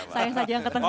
saya saja yang ke tengah